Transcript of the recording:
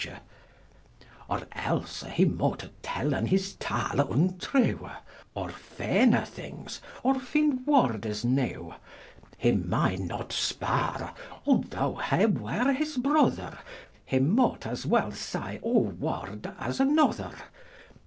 _ Or else he mote tellen his tale untrue, Or feine things, or find words new: He may not spare, altho he were his brother, He mote as well say o word as another.